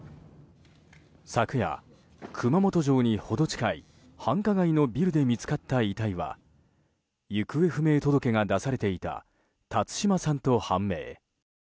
昨夜、熊本城に程近い繁華街のビルで見つかった遺体は行方不明届が出されていた辰島さんと判明。